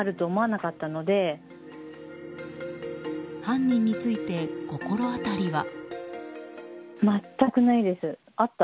犯人について心当たりは？